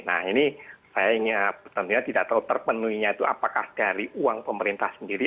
nah ini saya ingin tentunya tidak tahu terpenuhinya itu apakah dari uang pemerintah sendiri